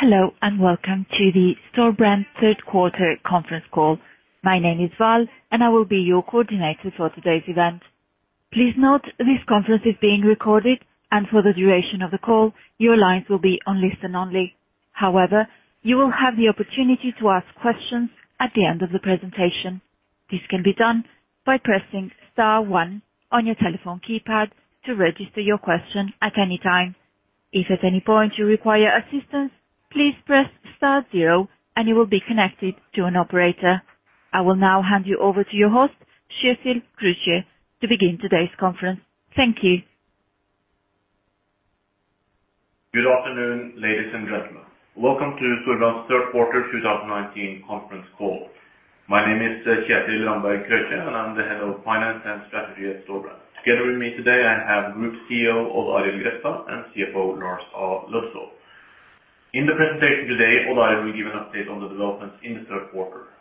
Hello, and welcome to the Storebrand third quarter conference call. My name is Val, and I will be your coordinator for today's event. Please note, this conference is being recorded, and for the duration of the call, your lines will be on listen only. However, you will have the opportunity to ask questions at the end of the presentation. This can be done by pressing star one on your telephone keypad to register your question at any time. If at any point you require assistance, please press star zero, and you will be connected to an operator. I will now hand you over to your host, Kjetil Krøkje, to begin today's conference. Thank you. Good afternoon, ladies and gentlemen. Welcome to Storebrand's third quarter 2019 conference call. My name is Kjetil Ramberg Krøkje, and I'm the Head of Finance and Strategy at Storebrand. Together with me today, I have Group CEO, Odd Arild Grefstad, and CFO, Lars A. Løddesøl. In the presentation today, Odd Arild will give an update on the developments in the third quarter.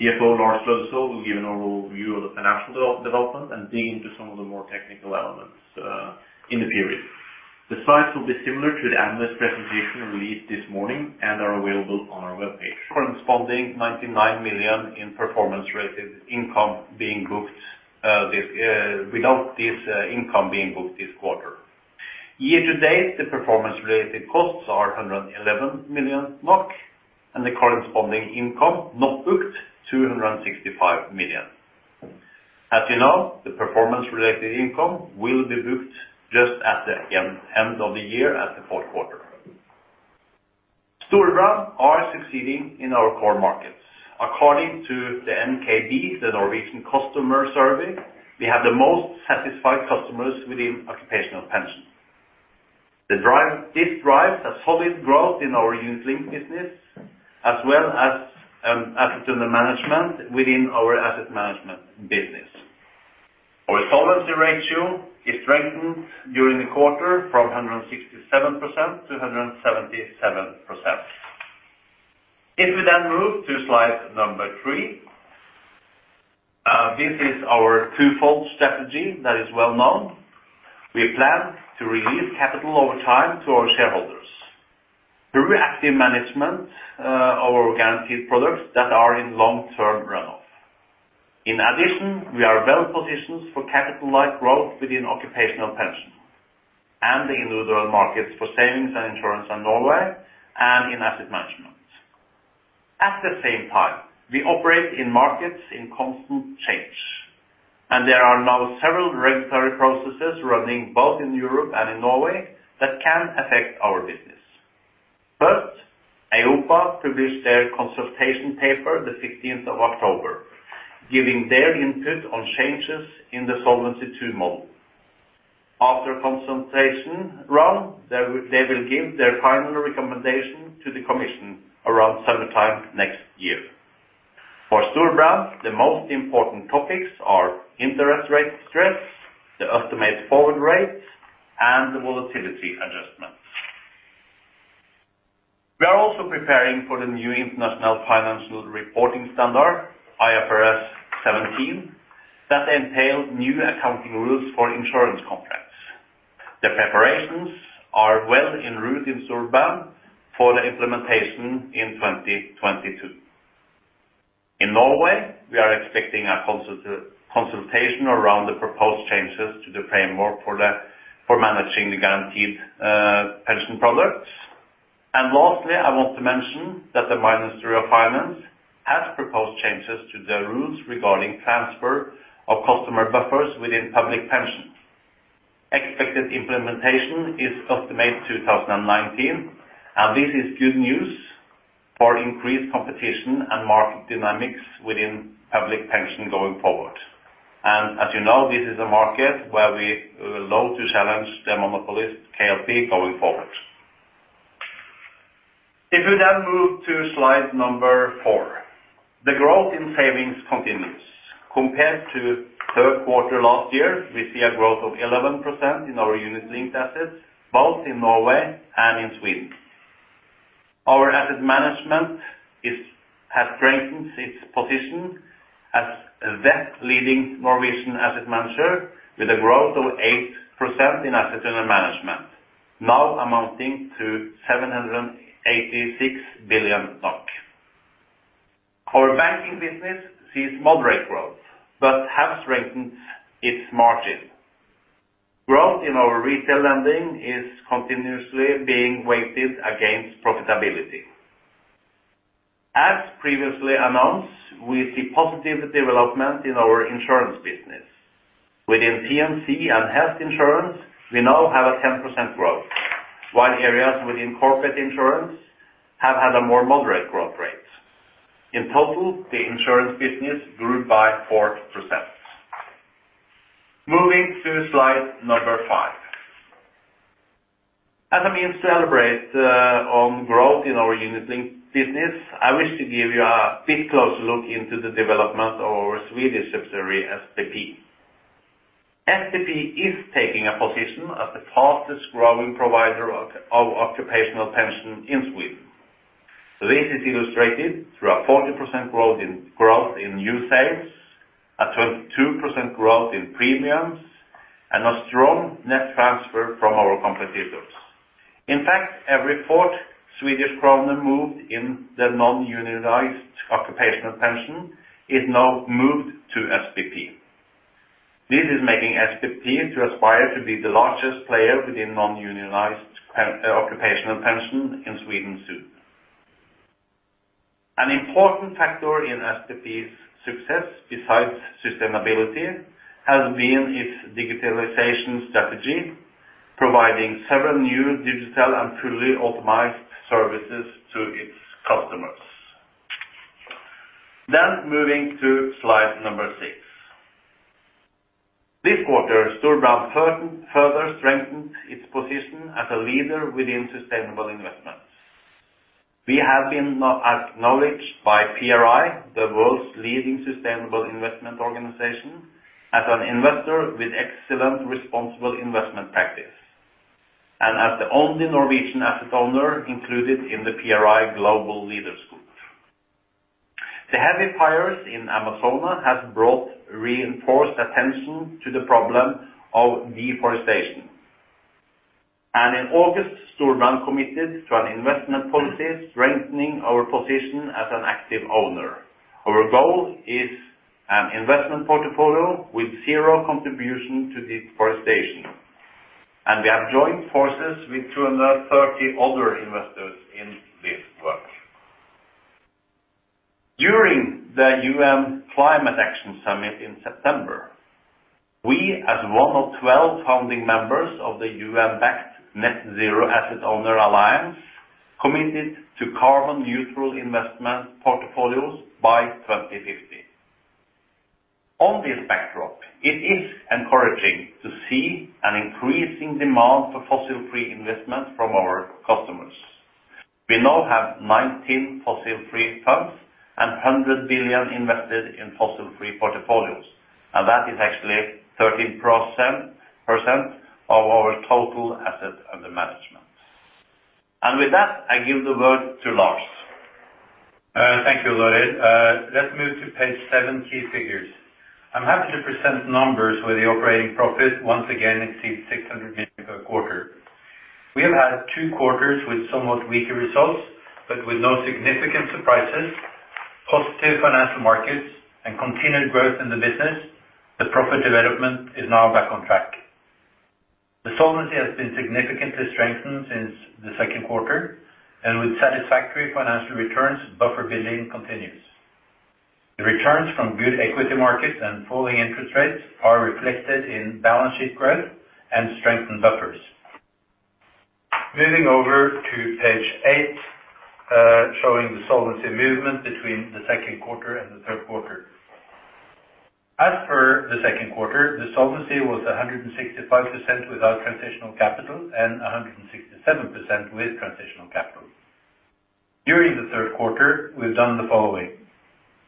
CFO Lars Løddesøl will give an overview of the financial development and dig into some of the more technical elements, in the period. The slides will be similar to the analyst presentation released this morning and are available on our webpage. Corresponding 99 million in performance related income being booked, this, without this, income being booked this quarter. Year to date, the performance related costs are 111 million NOK, and the corresponding income not booked, 265 million. As you know, the performance related income will be booked just at the end of the year, at the fourth quarter. Storebrand are succeeding in our core markets. According to the NKB, the Norwegian Customer Survey, we have the most satisfied customers within occupational pension. This drives a solid growth in our unit-linked business, as well as, asset under management within our asset management business. Our solvency ratio is strengthened during the quarter from 167% to 177%. If we then move to slide number three, this is our twofold strategy that is well known. We plan to release capital over time to our shareholders. Through active management, our guaranteed products that are in long-term runoff. In addition, we are well positioned for capital-light growth within occupational pension and the individual markets for savings and insurance in Norway and in asset management. At the same time, we operate in markets in constant change, and there are now several regulatory processes running, both in Europe and in Norway, that can affect our business. First, EIOPA published their consultation paper the fifteenth of October, giving their input on changes in the Solvency II model. After consultation round, they will give their final recommendation to the commission around summertime next year. For Storebrand, the most important topics are interest rate stress, the estimated forward rate, and the volatility adjustments. We are also preparing for the new international financial reporting standard, IFRS 17, that entails new accounting rules for insurance contracts. The preparations are well en route in Storebrand for the implementation in 2022. In Norway, we are expecting a consultation around the proposed changes to the framework for the, for managing the guaranteed pension products. And lastly, I want to mention that the Ministry of Finance has proposed changes to the rules regarding transfer of customer buffers within public pensions. Expected implementation is estimated 2019, and this is good news for increased competition and market dynamics within public pension going forward. And as you know, this is a market where we look to challenge the monopolist KLP going forward. If we then move to slide four, the growth in savings continues. Compared to third quarter last year, we see a growth of 11% in our unit-linked assets, both in Norway and in Sweden. Our asset management has strengthened its position as the leading Norwegian asset manager with a growth of 8% in asset under management, now amounting to 786 billion. Our banking business sees moderate growth, but has strengthened its margin. Growth in our retail lending is continuously being weighted against profitability. As previously announced, we see positive development in our insurance business. Within P&C and health insurance, we now have a 10% growth, while areas within corporate insurance have had a more moderate growth rate. In total, the insurance business grew by 4%. Moving to slide number five. As a means to celebrate on growth in our unit-linked business, I wish to give you a bit closer look into the development of our Swedish subsidiary, SPP. SPP is taking a position as the fastest growing provider of occupational pension in Sweden.... This is illustrated through a 40% growth in new sales, a 22% growth in premiums, and a strong net transfer from our competitors. In fact, every fourth Swedish krona moved in the non-unionized occupational pension is now moved to SPP. This is making SPP to aspire to be the largest player within non-unionized occupational pension in Sweden soon. An important factor in SPP's success, besides sustainability, has been its digitalization strategy, providing several new digital and truly optimized services to its customers. Then moving to slide number six. This quarter, Storebrand further strengthened its position as a leader within sustainable investments. We have been acknowledged by PRI, the world's leading sustainable investment organization, as an investor with excellent responsible investment practice, and as the only Norwegian asset owner included in the PRI Global Leaders Group. The heavy fires in Amazonas have brought reinforced attention to the problem of deforestation. In August, Storebrand committed to an investment policy, strengthening our position as an active owner. Our goal is an investment portfolio with zero contribution to deforestation, and we have joined forces with 230 other investors in this work. During the UN Climate Action Summit in September, we, as one of 12 founding members of the UN-backed Net-Zero Asset Owner Alliance, committed to carbon neutral investment portfolios by 2050. On this backdrop, it is encouraging to see an increasing demand for fossil free investment from our customers. We now have 19 fossil free funds and 100 billion invested in fossil free portfolios, and that is actually 13% of our total assets under management. With that, I give the word to Lars. Thank you, Krøkje. Let's move to page seven, key figures. I'm happy to present numbers where the operating profit once again exceeds 600 million per quarter. We have had two quarters with somewhat weaker results, but with no significant surprises, positive financial markets, and continued growth in the business, the profit development is now back on track. The solvency has been significantly strengthened since the second quarter, and with satisfactory financial returns, buffer building continues. The returns from good equity markets and falling interest rates are reflected in balance sheet growth and strengthened buffers. Moving to page eight, showing the solvency movement between the second quarter and the third quarter. As per the second quarter, the solvency was 165% without transitional capital and 167% with transitional capital. During the third quarter, we've done the following: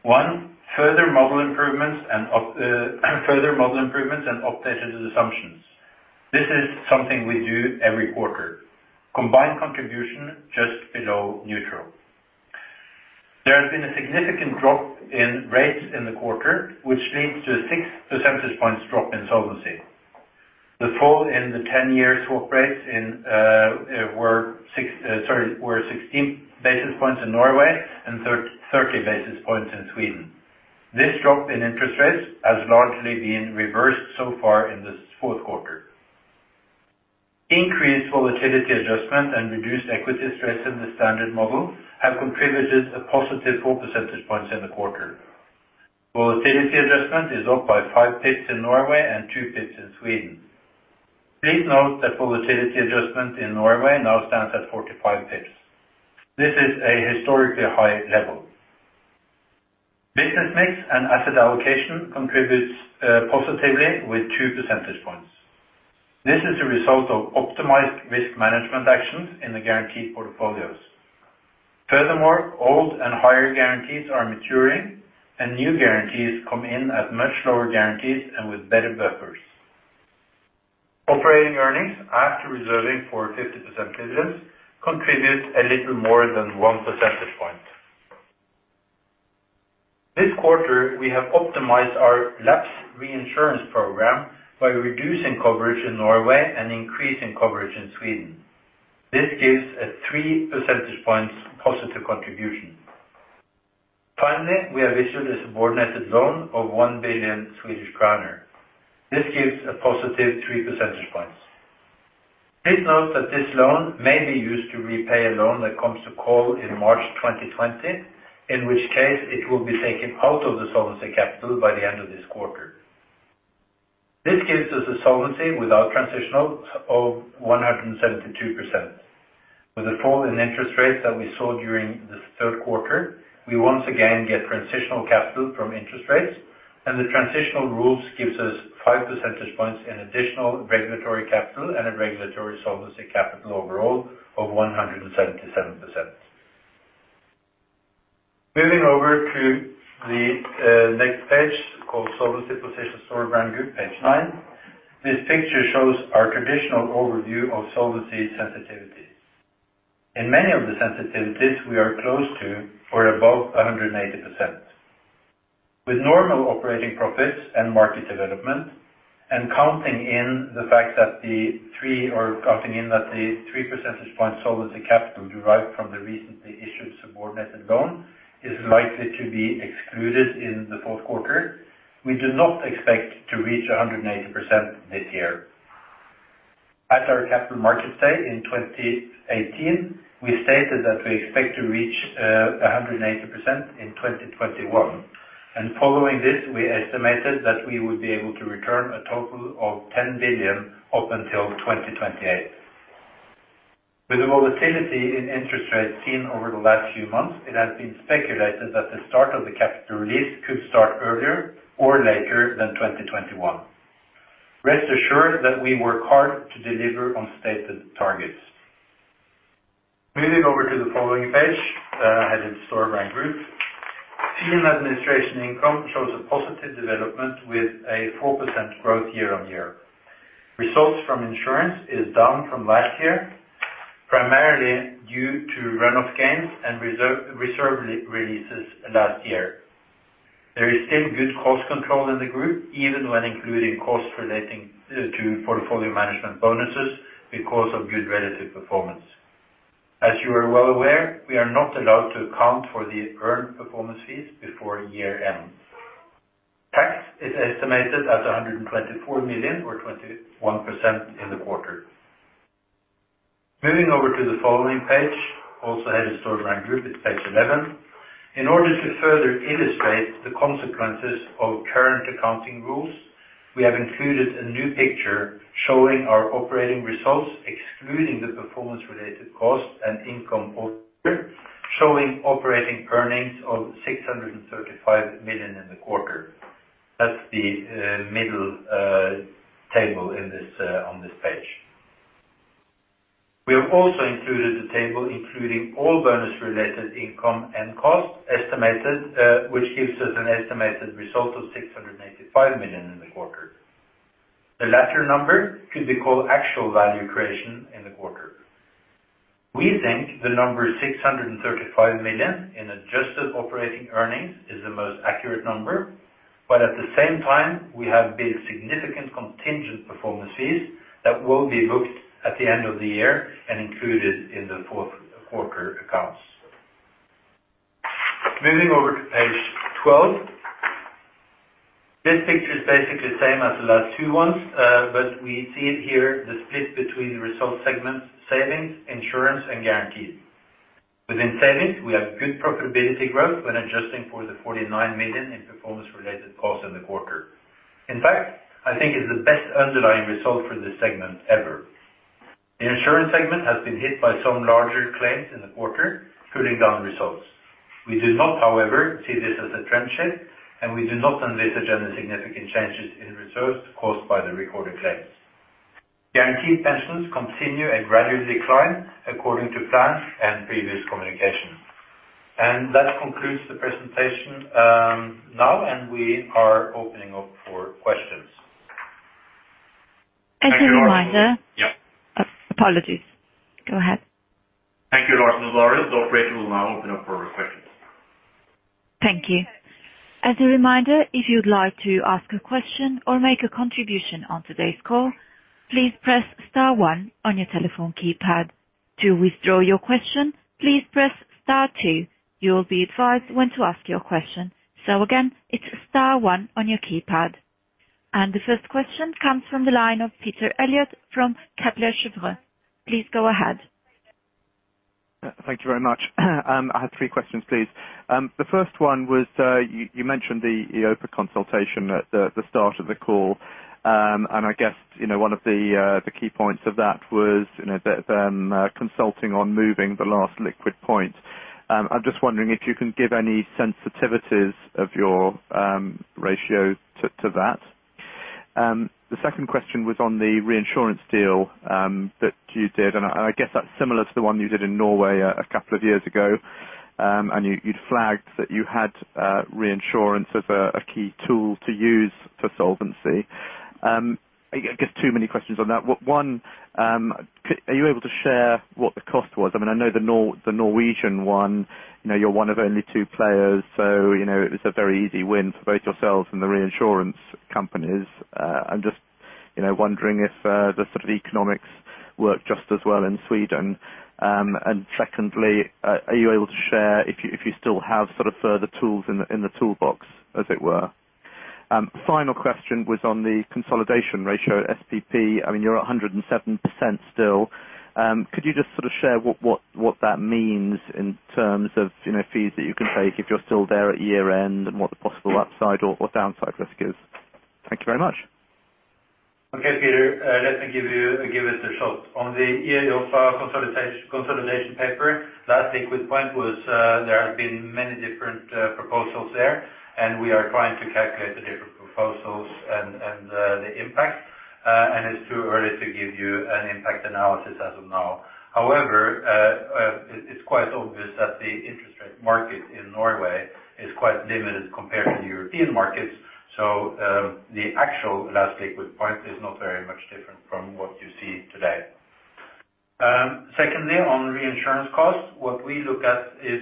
one, further model improvements and updated assumptions. This is something we do every quarter. Combined contribution, just below neutral. There has been a significant drop in rates in the quarter, which leads to a six percentage points drop in solvency. The fall in the 10-year swap rates were 16 basis points in Norway and 30 basis points in Sweden. This drop in interest rates has largely been reversed so far in this fourth quarter. Increased volatility adjustment and reduced equity stress in the standard model have contributed a positive four percentage points in the quarter. Volatility adjustment is up by five bps in Norway and two bps in Sweden. Please note that volatility adjustment in Norway now stands at 45 bps. This is a historically high level. Business mix and asset allocation contributes positively with 2 percentage points. This is a result of optimized risk management actions in the guaranteed portfolios. Furthermore, old and higher guarantees are maturing, and new guarantees come in at much lower guarantees and with better buffers. Operating earnings, after reserving for 50% dividends, contribute a little more than one percentage point. This quarter, we have optimized our lapse reinsurance program by reducing coverage in Norway and increasing coverage in Sweden. This gives a three percentage points positive contribution. Finally, we have issued a subordinated loan of 1 billion Swedish kronor. This gives a positive three percentage points. Please note that this loan may be used to repay a loan that comes to call in March 2020, in which case it will be taken out of the solvency capital by the end of this quarter. This gives us a solvency without transitional of 172%. With a fall in interest rates that we saw during this third quarter, we once again get transitional capital from interest rates, and the transitional rules gives us five percentage points in additional regulatory capital and a regulatory solvency capital overall of 177%.... Moving over to the next page called Solvency position Storebrand Group, page nine. This picture shows our traditional overview of solvency sensitivity. In many of the sensitivities, we are close to or above 180%. With normal operating profits and market development, and counting in the fact that the three are cutting in, that the three percentage points solvency capital derived from the recently issued subordinated loan is likely to be excluded in the fourth quarter. We do not expect to reach 180% this year. At our capital market day in 2018, we stated that we expect to reach a 180% in 2021, and following this, we estimated that we would be able to return a total of 10 billion up until 2028. With the volatility in interest rates seen over the last few months, it has been speculated that the start of the capital release could start earlier or later than 2021. Rest assured that we work hard to deliver on stated targets. Moving over to the following page, headed Storebrand Group. Fee and administration income shows a positive development with a 4% growth year-on-year. Results from insurance is down from last year, primarily due to run off gains and reserve releases last year. There is still good cost control in the group, even when including costs relating to portfolio management bonuses because of good relative performance. As you are well aware, we are not allowed to account for the earned performance fees before year end. Tax is estimated at 124 million or 21% in the quarter. Moving over to the following page, also headed Storebrand Group, it's page 11. In order to further illustrate the consequences of current accounting rules, we have included a new picture showing our operating results, excluding the performance-related costs and income, also showing operating earnings of 635 million in the quarter. That's the middle table on this page. We have also included a table, including all bonus related income and costs estimated, which gives us an estimated result of 685 million in the quarter. The latter number could be called actual value creation in the quarter. We think the number 635 million in adjusted operating earnings is the most accurate number, but at the same time, we have been significant contingent performance fees that will be booked at the end of the year and included in the fourth quarter accounts. Moving over to page 12. This picture is basically the same as the last two ones, but we see it here, the split between the result segments, savings, insurance, and guarantees. Within savings, we have good profitability growth when adjusting for the 49 million in performance-related costs in the quarter. In fact, I think it's the best underlying result for this segment ever. The insurance segment has been hit by some larger claims in the quarter, pulling down results. We do not, however, see this as a trend shift, and we do not envisage any significant changes in reserves caused by the recorded claims. Guaranteed pensions continue a gradual decline according to plans and previous communication. That concludes the presentation, now, and we are opening up for questions. As a reminder. Yeah. Apologies. Go ahead. Thank you, Lars. The operator will now open up for questions. Thank you. As a reminder, if you'd like to ask a question or make a contribution on today's call, please press star one on your telephone keypad. To withdraw your question, please press star two. You will be advised when to ask your question. So again, it's star one on your keypad. And the first question comes from the line of Peter Eliot from Kepler Cheuvreux. Please go ahead. Thank you very much. I had three questions, please. The first one was, you mentioned the EIOPA consultation at the start of the call. And I guess, you know, one of the key points of that was, you know, that consulting on moving the last liquid point. I'm just wondering if you can give any sensitivities of your ratio to that? The second question was on the reinsurance deal that you did, and I guess that's similar to the one you did in Norway a couple of years ago. And you, you'd flagged that you had reinsurance as a key tool to use for solvency. I guess too many questions on that. One, are you able to share what the cost was? I mean, I know the Norwegian one, you know, you're one of only two players, so you know, it was a very easy win for both yourselves and the reinsurance companies. I'm just wondering if the sort of economics worked just as well in Sweden. And secondly, are you able to share if you, if you still have sort of further tools in the toolbox, as it were? Final question was on the consolidation ratio at SPP. I mean, you're at 107% still. Could you just sort of share what that means in terms of, you know, fees that you can take if you're still there at year-end, and what the possible upside or downside risk is? Thank you very much.... Okay, Peter, let me give you, give it a shot. On the EIOPA consultation paper, last liquid point, there have been many different proposals there, and we are trying to calculate the different proposals and the impact. And it's too early to give you an impact analysis as of now. However, it's quite obvious that the interest rate market in Norway is quite limited compared to the European markets. So, the actual last liquid point is not very much different from what you see today. Secondly, on reinsurance costs, what we look at is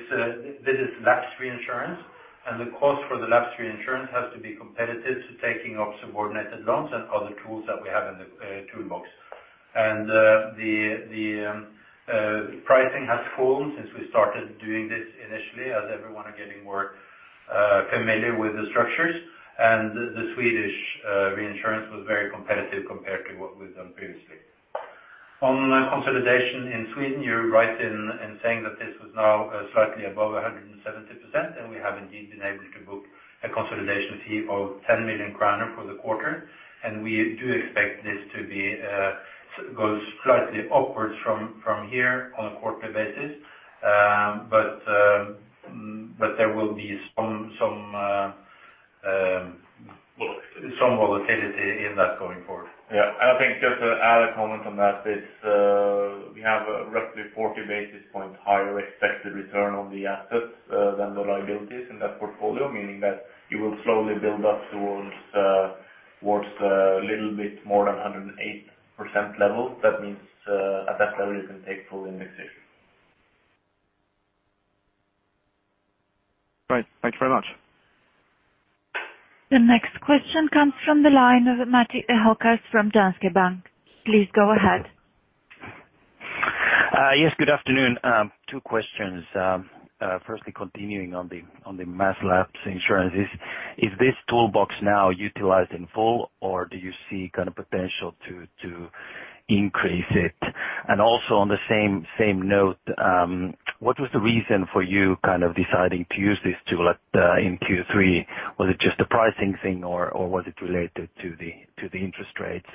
this is lapse reinsurance, and the cost for the lapse reinsurance has to be competitive to taking up subordinated loans and other tools that we have in the toolbox. The pricing has fallen since we started doing this initially, as everyone are getting more familiar with the structures. The Swedish reinsurance was very competitive compared to what we've done previously. On consolidation in Sweden, you're right in saying that this was now slightly above 170%, and we have indeed been able to book a consolidation fee of 10 million kroner for the quarter, and we do expect this to go slightly upwards from here on a quarterly basis. But there will be some well, some volatility in that going forward. Yeah. And I think just to add a comment on that, it's, we have roughly 40 basis points higher expected return on the assets, than the liabilities in that portfolio, meaning that you will slowly build up towards, towards, a little bit more than 108% level. That means, at best, everything take full indexation. Right. Thanks very much. The next question comes from the line of Matti Ahokas from Danske Bank. Please go ahead. Yes, good afternoon. Two questions. Firstly, continuing on the mass lapse reinsurance. Is this toolbox now utilized in full, or do you see kind of potential to increase it? And also on the same note, what was the reason for you kind of deciding to use this tool in Q3?Was it just a pricing thing, or was it related to the interest rates?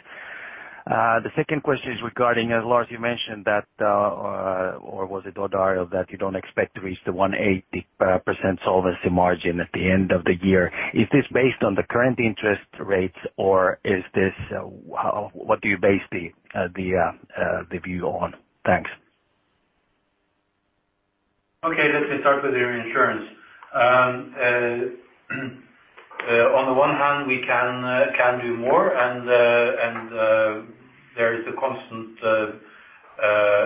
The second question is regarding, as Lars, you mentioned that, or was it Odd Arild, that you don't expect to reach the 180% solvency margin at the end of the year. Is this based on the current interest rates, or is this... What do you base the view on? Thanks. Okay, let me start with the reinsurance. On the one hand, we can do more, and there is a constant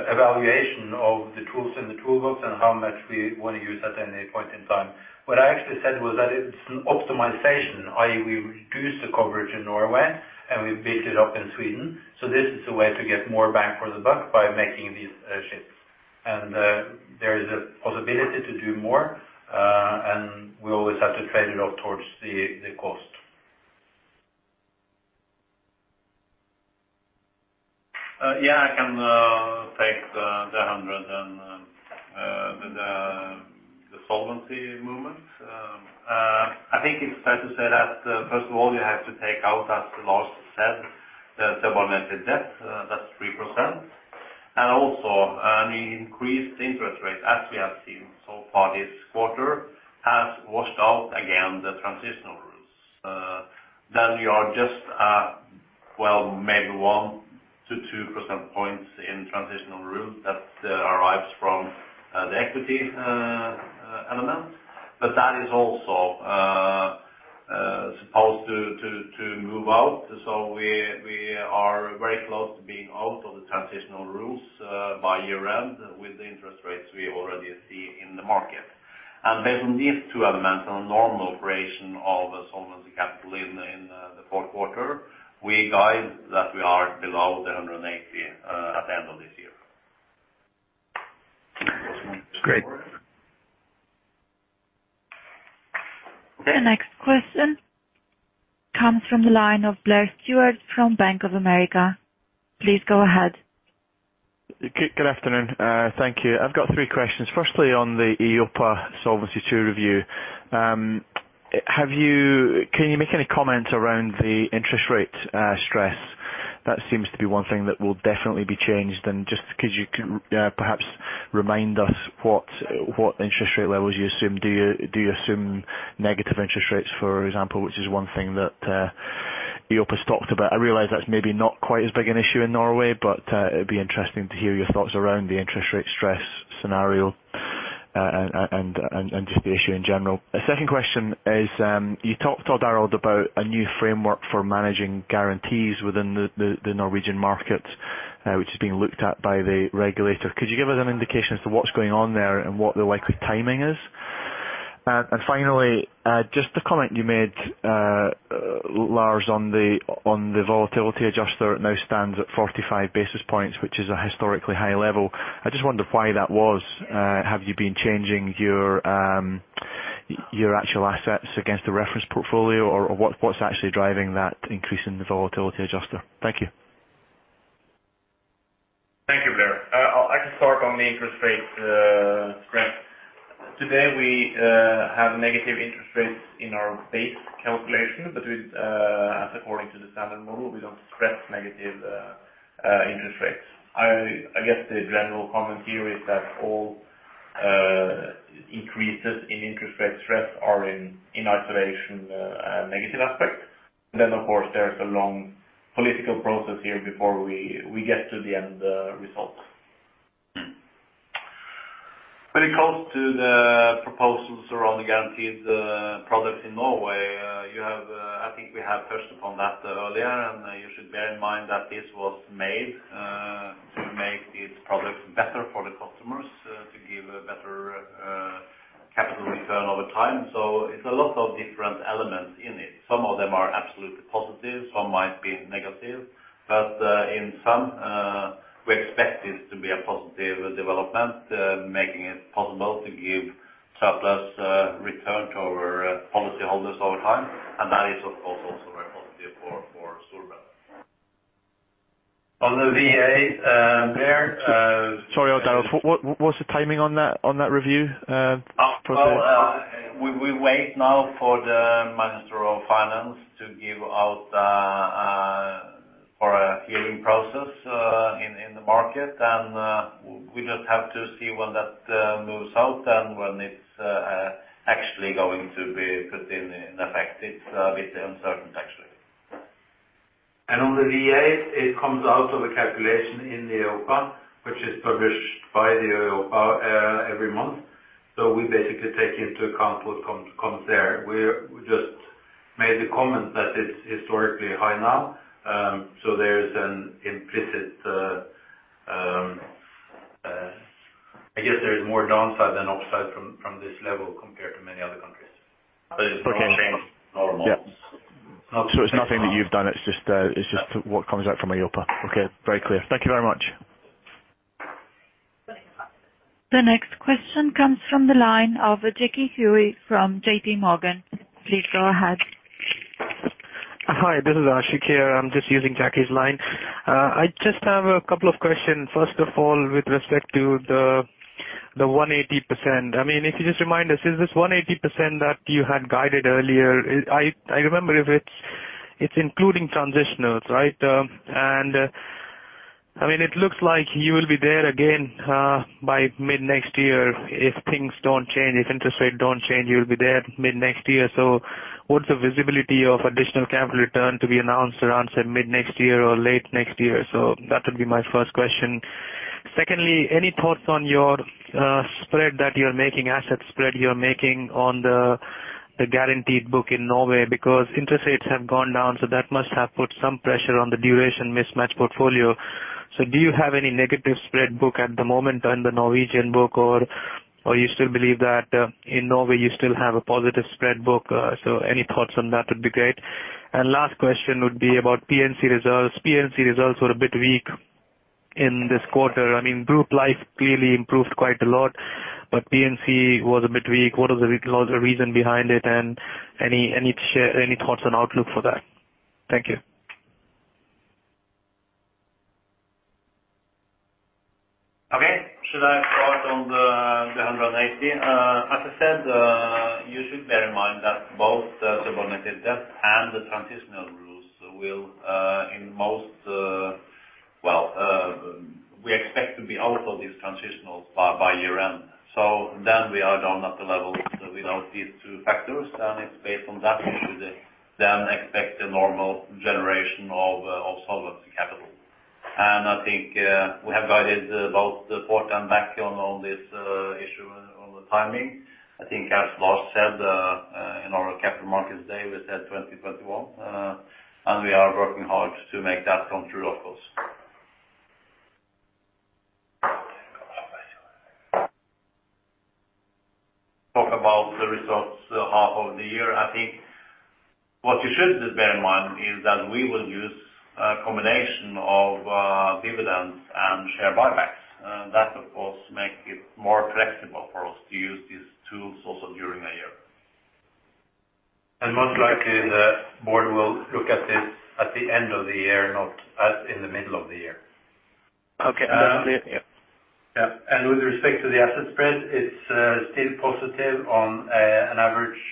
evaluation of the tools in the toolbox and how much we want to use at any point in time. What I actually said was that it's an optimization, i.e., we reduce the coverage in Norway, and we build it up in Sweden. So this is a way to get more bang for the buck by making these shifts. And there is a possibility to do more, and we always have to trade it off towards the cost. Yeah, I can take the 100 and the solvency movement. I think it's fair to say that first of all, you have to take out, as Lars said, the subordinated debt, that's 3%. Also, an increased interest rate, as we have seen so far this quarter, has washed out again the transitional rules. Then you are just at, well, maybe 1-2 percentage points in transitional rule that arrives from the equity element. But that is also supposed to move out. So we are very close to being out of the transitional rules by year-end with the interest rates we already see in the market. Based on these two elements and normal operation of solvency capital in the fourth quarter, we guide that we are below 180% at the end of this year. Great. The next question comes from the line of Blair Stewart from Bank of America. Please go ahead. Good afternoon. Thank you. I've got three questions. Firstly, on the EIOPA Solvency II review. Can you make any comment around the interest rate stress? That seems to be one thing that will definitely be changed. And just could you perhaps remind us what interest rate levels you assume? Do you assume negative interest rates, for example, which is one thing that EIOPA talked about? I realize that's maybe not quite as big an issue in Norway, but it'd be interesting to hear your thoughts around the interest rate stress scenario and just the issue in general. A second question is, you talked about a new framework for managing guarantees within the Norwegian market, which is being looked at by the regulator. Could you give us an indication as to what's going on there and what the likely timing is? Finally, just the comment you made, Lars, on the volatility adjustment, it now stands at 45 basis points, which is a historically high level. I just wondered why that was. Have you been changing your actual assets against the reference portfolio, or what, what's actually driving that increase in the volatility adjustment? Thank you. The interest rate spread. Today, we have negative interest rates in our base calculation, but with, according to the standard model, we don't stress negative interest rates. I guess the general comment here is that all increases in interest rate stress are in isolation a negative aspect. Then, of course, there's a long political process here before we get to the end result. When it comes to the proposals around the guaranteed product in Norway, you have... I think we have touched upon that earlier, and you should bear in mind that this was made to make these products better for the customers to give a better capital return over time. So it's a lot of different elements in it. Some of them are absolutely positive, some might be negative, but, in some, we expect this to be a positive development, making it possible to give surplus, return to our policyholders over time, and that is, of course, also very positive for, for Storebrand. On the VA, there, Sorry, Odd Arild. What, what, what's the timing on that, on that review? For the- Well, we wait now for the Minister of Finance to give out for a hearing process in the market, and we just have to see when that moves out and when it's actually going to be put in effect. It's a bit uncertain, actually. And on the VA, it comes out of the calculation in the EIOPA, which is published by the EIOPA every month. So we basically take into account what comes there. We just made the comment that it's historically high now. So there's an implicit, I guess there is more downside than upside from this level compared to many other countries. Okay. But it will change our models. Yeah. So it's nothing that you've done. It's just, it's just what comes out from EIOPA. Okay, very clear. Thank you very much. The next question comes from the line of Jackie Sheridan from JPMorgan. Please go ahead. Hi, this is Ashik here. I'm just using Jackie's line. I just have a couple of questions. First of all, with respect to the 180%, I mean, if you just remind us, is this 180% that you had guided earlier? I remember if it's including transitionals, right? And I mean, it looks like you will be there again by mid-next year if things don't change, if interest rate don't change, you'll be there mid-next year. So what's the visibility of additional capital return to be announced around, say, mid-next year or late next year? So that would be my first question. Secondly, any thoughts on your spread that you're making, asset spread you're making on the guaranteed book in Norway? Because interest rates have gone down, so that must have put some pressure on the duration mismatch portfolio. So do you have any negative spread book at the moment on the Norwegian book, or you still believe that, in Norway, you still have a positive spread book? So any thoughts on that would be great. And last question would be about P&C results. P&C results were a bit weak in this quarter. I mean, group life clearly improved quite a lot, but P&C was a bit weak. What are the reason behind it, and any thoughts on outlook for that? Thank you. Okay. Should I start on the 180%? As I said, you should bear in mind that both the subordinate debt and the transitional rules will, in most... Well, we expect to be out of these transitionals by year-end. So then we are down at the level without these two factors, and it's based on that, we should then expect a normal generation of solvency capital. And I think, we have guided both the fourth and back on, on this issue on the timing. I think as Lars said, in our Capital Markets Day, we said 2021, and we are working hard to make that come true, of course. Talk about the results, half of the year. I think what you should bear in mind is that we will use a combination of, dividends and share buybacks. That, of course, make it more flexible for us to use these tools also during the year. Most likely, the board will look at this at the end of the year, not at in the middle of the year. Okay. Yeah. Yeah. With respect to the asset spread, it's still positive on an average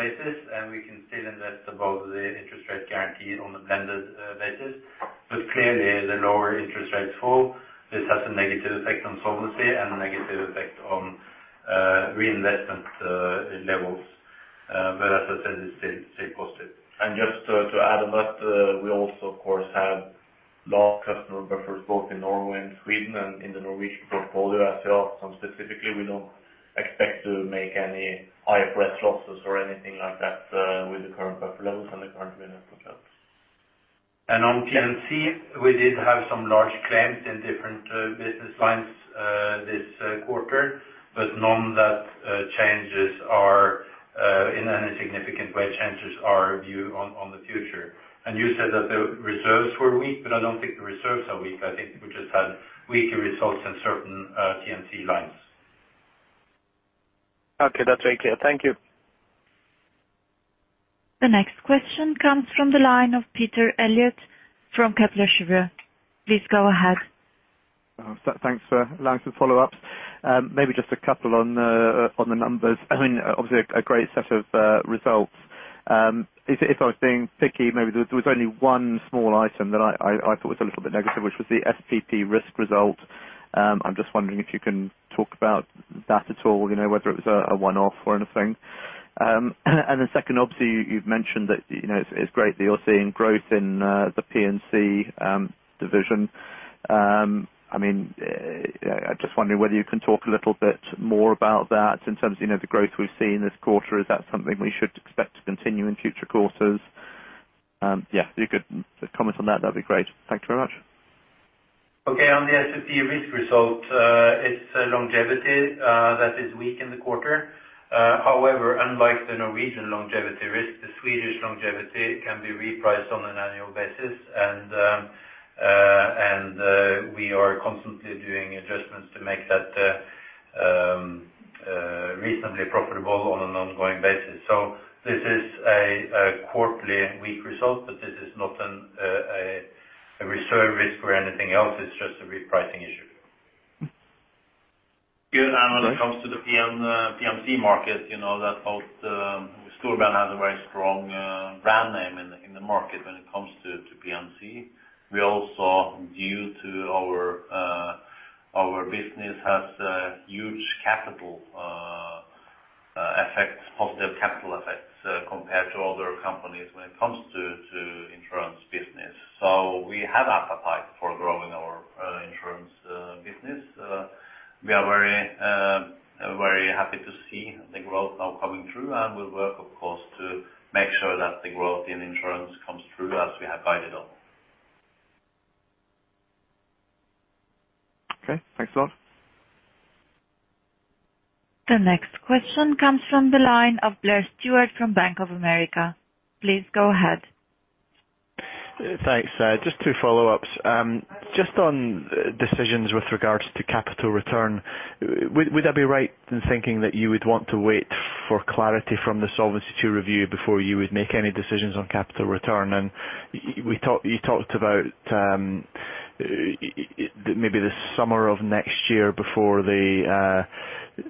basis, and we can still invest above the interest rate guarantee on a blended basis. But clearly, the lower interest rates fall, this has a negative effect on solvency and a negative effect on reinvestment levels. But as I said, it's still positive. Just, to add on that, we also, of course, have large customer buffers, both in Norway and Sweden, and in the Norwegian portfolio as well. Specifically, we don't expect to make any IFRS losses or anything like that, with the current buffer levels and the current financial accounts. On P&C, we did have some large claims in different business lines this quarter, but none that in any significant way changes our view on the future. You said that the reserves were weak, but I don't think the reserves are weak. I think we just had weaker results in certain P&C lines. Okay. That's very clear. Thank you.... The next question comes from the line of Peter Eliot from Kepler Cheuvreux. Please go ahead. Thanks for allowing some follow-ups. Maybe just a couple on the numbers. I mean, obviously, a great set of results. If I was being picky, maybe there was only one small item that I thought was a little bit negative, which was the SPP risk result. I'm just wondering if you can talk about that at all, you know, whether it was a one-off or anything. And then second, obviously, you've mentioned that, you know, it's great that you're seeing growth in the P&C division. I mean, I'm just wondering whether you can talk a little bit more about that in terms of, you know, the growth we've seen this quarter. Is that something we should expect to continue in future quarters? Yeah, if you could just comment on that, that'd be great. Thank you very much. Okay. On the SPP risk result, it's longevity that is weak in the quarter. However, unlike the Norwegian longevity risk, the Swedish longevity can be repriced on an annual basis. And we are constantly doing adjustments to make that reasonably profitable on an ongoing basis. So this is a quarterly weak result, but this is not a reserve risk or anything else. It's just a repricing issue. Mm-hmm. Yeah, and when it comes to the P&C market, you know, that both Storebrand has a very strong brand name in the market when it comes to P&C. We also, due to our business, has a huge capital effect, positive capital effects, compared to other companies when it comes to insurance business. So we have appetite for growing our insurance business. We are very, very happy to see the growth now coming through, and we'll work, of course, to make sure that the growth in insurance comes through as we have guided on. Okay, thanks a lot. The next question comes from the line of Blair Stewart from Bank of America. Please go ahead. Thanks. Just two follow-ups. Just on decisions with regards to capital return, would I be right in thinking that you would want to wait for clarity from the Solvency II review before you would make any decisions on capital return? And we talked... You talked about maybe the summer of next year before the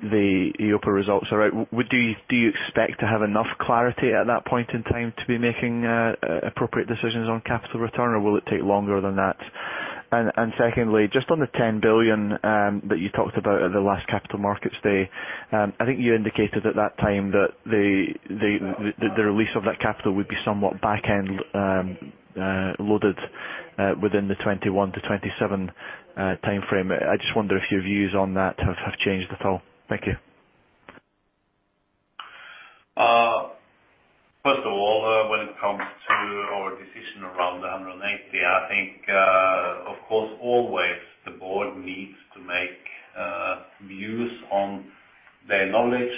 EIOPA results are out. Would you expect to have enough clarity at that point in time to be making appropriate decisions on capital return, or will it take longer than that? Secondly, just on the 10 billion that you talked about at the last Capital Markets Day, I think you indicated at that time that the release of that capital would be somewhat back-end loaded within the 2021-2027 timeframe. I just wonder if your views on that have changed at all. Thank you. First of all, when it comes to our decision around the 180%, I think, of course, always the board needs to make views on their knowledge,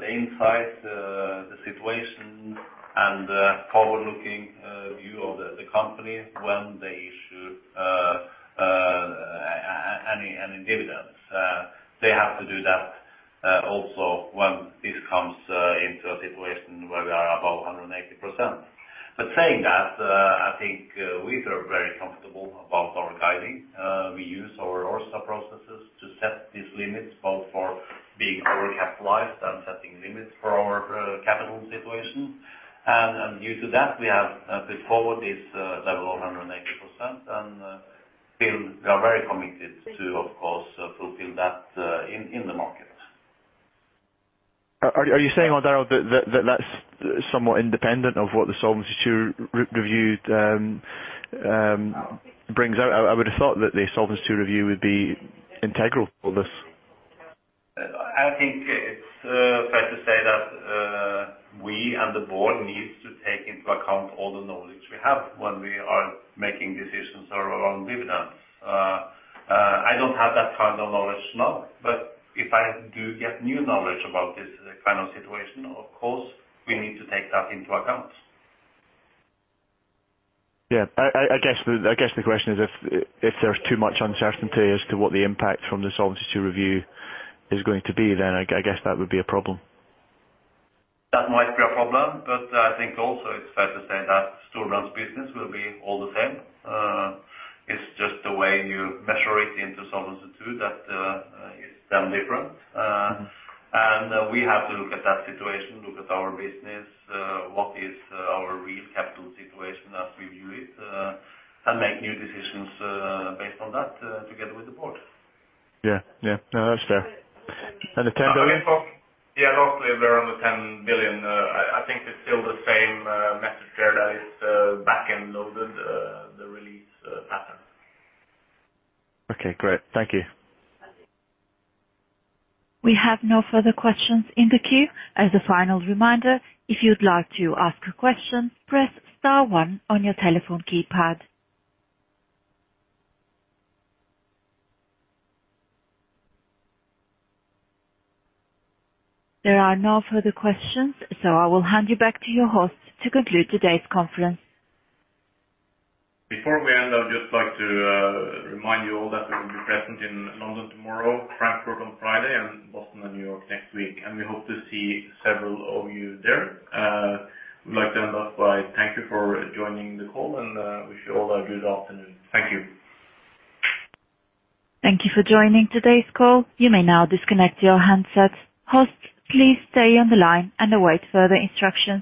the insight, the situation, and forward-looking view of the company when they issue any dividends. They have to do that, also when this comes into a situation where we are above 180%. But saying that, I think we feel very comfortable about our guiding. We use our ORSA processes to set these limits, both for being overcapitalized and setting limits for our capital situation. And due to that, we have put forward this level of 180%, and still we are very committed to, of course, fulfill that in the market. Are you saying, Odd Arild, that that's somewhat independent of what the Solvency II review brings out? I would have thought that the Solvency II review would be integral for this. I think it's fair to say that we and the board needs to take into account all the knowledge we have when we are making decisions around dividends. I don't have that kind of knowledge now, but if I do get new knowledge about this kind of situation, of course, we need to take that into account. Yeah. I guess the question is if there's too much uncertainty as to what the impact from the Solvency II review is going to be, then I guess that would be a problem. That might be a problem, but I think also it's fair to say that Storebrand's business will be all the same. It's just the way you measure it into Solvency II, that is done different. Mm-hmm. We have to look at that situation, look at our business, what is our real capital situation as we view it, and make new decisions, based on that, together with the board. Yeah. Yeah. No, that's fair. And the 10 billion? Yeah, lastly, around the 10 billion, I think it's still the same message there, that it's back-end loaded, the release pattern. Okay, great. Thank you. We have no further questions in the queue. As a final reminder, if you'd like to ask a question, press star one on your telephone keypad. There are no further questions, so I will hand you back to your host to conclude today's conference. Before we end, I would just like to remind you all that we will be present in London tomorrow, Frankfurt on Friday, and Boston and New York next week, and we hope to see several of you there. We'd like to end off by thank you for joining the call, and wish you all a good afternoon. Thank you. Thank you for joining today's call. You may now disconnect your handsets. Hosts, please stay on the line and await further instructions.